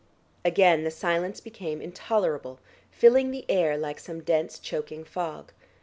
Again the silence became intolerable, filling the air like some dense choking fog.